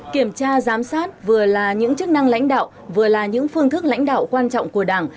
kiểm tra giám sát vừa là những chức năng lãnh đạo vừa là những phương thức lãnh đạo quan trọng của đảng